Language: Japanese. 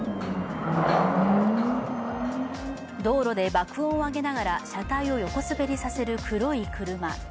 道路で爆音を上げながら車体を横滑りさせる黒い車。